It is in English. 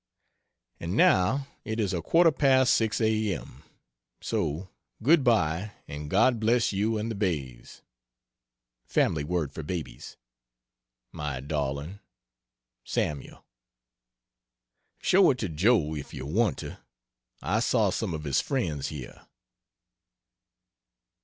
And now it is a quarter past 6 A.M. so good bye and God bless you and the Bays, [Family word for babies] my darlings SAML. Show it to Joe if you want to I saw some of his friends here.